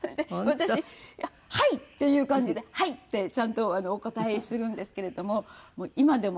私「はい！」っていう感じで「はい！」ってちゃんとお答えするんですけれどももう今でも。